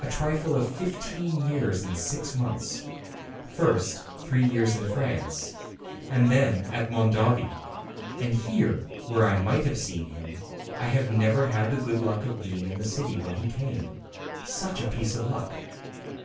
A trifle of fifteen years and six months. First, three years in France, and then at Mondovi, and here, where I might have seen him, I have never had the good luck of being in the city when he came. Such a piece of luck!"